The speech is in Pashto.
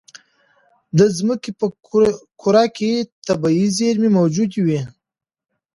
د ځمکې په کوره کې طبیعي زېرمې موجودې وي.